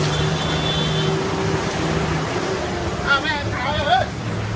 ไม่ได้ยังมีสัญละครับ